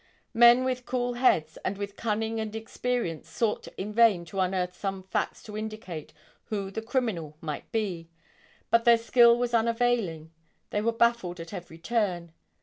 Men with cool heads, and with cunning and experience sought in vain to unearth some facts to indicate who the criminal might be, but their skill was unavailing, they were baffled at every turn.